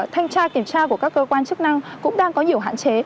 thanh tra kiểm tra của các cơ quan chức năng cũng đang có nhiều hạn chế